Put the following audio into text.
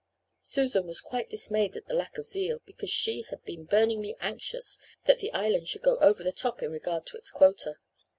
Susan was quite dismayed at the lack of zeal, because she had been burningly anxious that the Island should go over the top in regard to its quota.